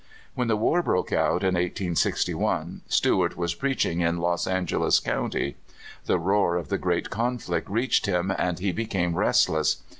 When the war broke out in 1861, Stewart was preaching in Los Angeles County. The roar of the great conflict reached him, and he became restless.